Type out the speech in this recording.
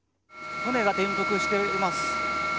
船が転覆しています。